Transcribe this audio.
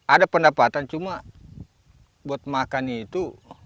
ada pendapatan cuma buat makan itu